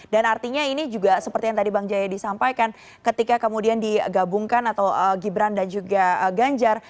dan artinya ini juga seperti yang tadi bang jaya disampaikan ketika kemudian digabungkan atau gibran dan juga ganjar